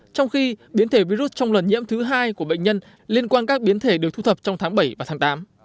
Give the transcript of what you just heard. trong khi biến thể virus trong lần nhiễm thứ hai của bệnh nhân liên quan các biến thể được thu thập trong tháng bảy và tháng tám